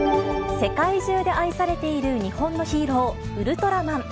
世界中で愛されている日本のヒーロー、ウルトラマン。